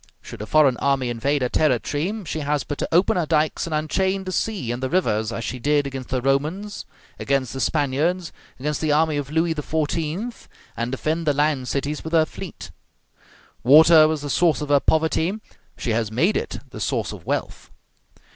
Should a foreign army invade her territory, she has but to open her dikes and unchain the sea and the rivers, as she did against the Romans, against the Spaniards, against the army of Louis XIV., and defend the land cities with her fleet. Water was the source of her poverty, she has made it the source of wealth.